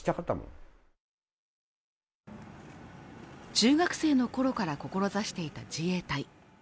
中学生の頃から志していた自衛隊